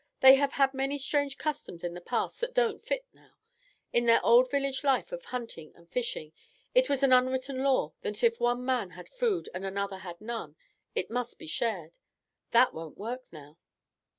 They have had many strange customs in the past that don't fit now. In their old village life of hunting and fishing, it was an unwritten law that if one man had food and another had none, it must be shared. That won't work now.